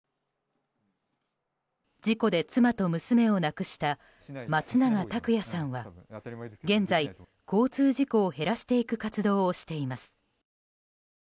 事故で妻と娘を亡くした松永拓也さんは現在、交通事故を減らしていく活動をしています。